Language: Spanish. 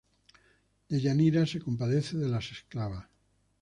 Deyanira se compadece de las esclavas.